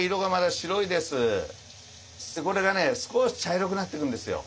これがね少し茶色くなってくるんですよ。